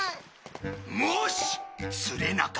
もし釣れなかったら。